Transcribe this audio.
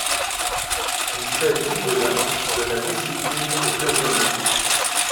Il s'agit de la de la discipline aux Jeux olympiques.